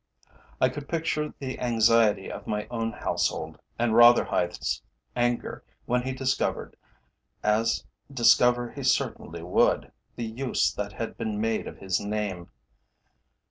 I could picture the anxiety of my own household, and Rotherhithe's anger when he discovered, as discover he certainly would, the use that had been made of his name.